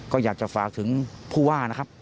ก็อยากจะฝากถึงผู้ว่านะครับ